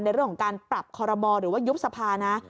เรื่องของการปรับคอรมอหรือว่ายุบสภานะ